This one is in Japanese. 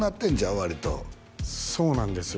割とそうなんですよ